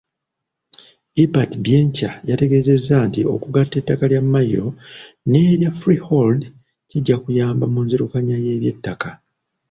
Ebert Byenkya yategeezezza nti okugatta ettaka lya mmayiro n’erya freehold kijja kuyamba mu nzirukanya y’eby'ettaka.